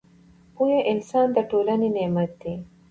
پوه انسان د ټولنې نعمت دی